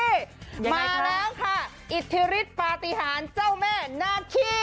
ยังไงค่ะมาแล้วค่ะอิทธิฤทธิ์ปาฏิหารเจ้าแม่หน้าขี้